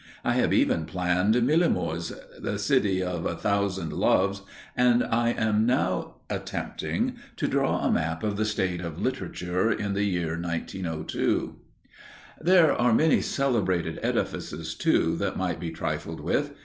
I have even planned Millamours, the city of a thousand loves, and I am now attempting to draw a map of the State of Literature in the year 1902. There are many celebrated edifices, too, that might be trifled with.